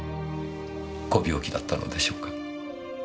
ご病気だったのでしょうか？